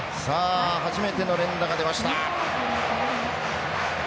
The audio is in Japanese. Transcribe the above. さあ初めての連打が出ました。